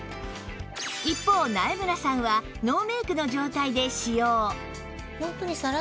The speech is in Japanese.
一方苗村さんはノーメイクの状態で使用